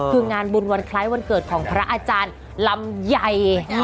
คืองานบุญวันคล้ายวันเกิดของพระอาจารย์ลำใหญ่